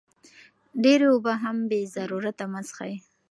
ډېرې اوبه هم بې ضرورته مه څښئ.